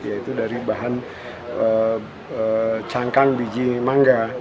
yaitu dari bahan cangkang biji mangga